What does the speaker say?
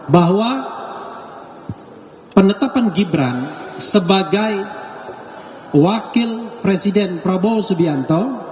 bahwa penetapan gibran sebagai wakil presiden prabowo subianto